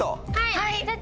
はい！